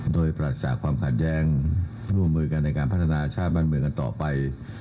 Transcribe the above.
โดยปราศจากความขัดแย้งร่วมมือกันในการพัฒนาชาติบ้านเมืองกันต่อไป